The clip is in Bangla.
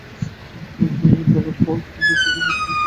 দানব হওয়ার কারণে জনিকে খুব একটা খারাপ দেখাচ্ছে না।